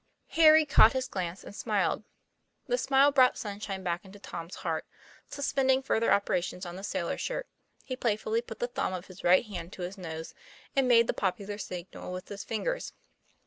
Harry caught his glance and smiled. The smile brought sunshine back into Tom's heart; suspending further operations on the sailor shirt, he playfully put the thumb of his right hand to his nose, and made the popular signal with his fingers.